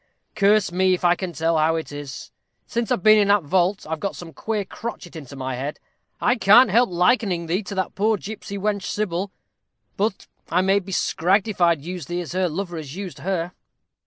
Curse me if I can tell how it is; since I've been in that vault, I've got some queer crotchet into my head. I can't help likening thee to that poor gipsy wench, Sybil; but may I be scragged if I'd use thee as her lover has used her.